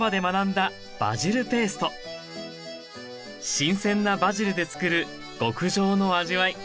新鮮なバジルでつくる極上の味わい。